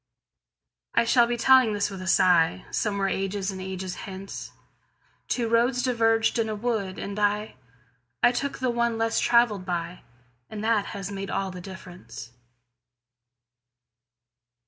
I shall be telling this with a sighSomewhere ages and ages hence:Two roads diverged in a wood, and I—I took the one less traveled by, And that has made all the difference.